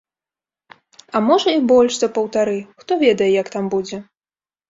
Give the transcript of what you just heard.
А можа, і больш за паўтары, хто ведае, як там будзе.